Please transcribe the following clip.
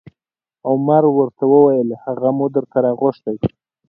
عمر ورته وویل: هغه مو درته راغوښتی